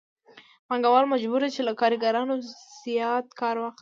پانګوال مجبور دی چې له کارګرانو زیات کار واخلي